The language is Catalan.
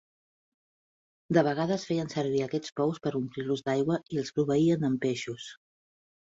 De vegades feien servir aquests pous per omplir d'aigua i els proveïen amb peixos.